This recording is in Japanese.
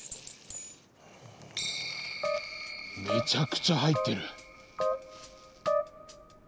めちゃくちゃ入ってる！